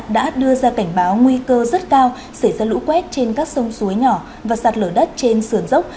đã đưa ra cảnh báo nguy cơ rất cao xảy ra lũ quét trên các sông suối nhỏ và sạt lở đất trên sườn dốc